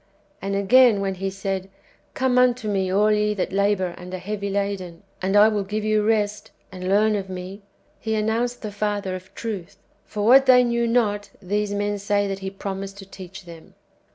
And again, when He said, " Come unto me all ye that labour and are heavy laden, and I will give you rest, and learn of me," * He announced the Father of truth. For what they knew not, these men say that He promised to teach them.